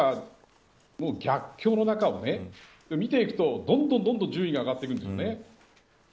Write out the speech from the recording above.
逆境の中を見ていくと、どんどん順位が上がっているんです。